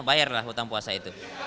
bayarlah utang puasa itu